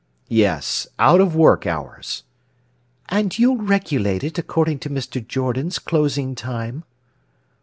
"Yes; out of work hours." "And you'll regulate it according to Mr. Jordan's closing time?"